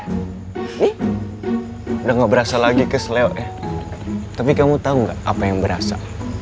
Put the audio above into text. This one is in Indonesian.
nih udah gak berasa lagi kesel lewet ya tapi kamu tau gak apa yang berasa